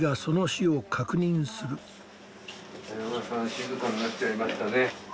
静かになっちゃいましたね。